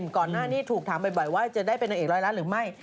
ก่อนหน้านี้ถูกถามบ่อยว่าจะได้เป็นนางเอกร้อยล้านหรือไม่